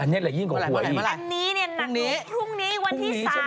อันนี้เนี่ยนักหนุมนี้ในวันที่๓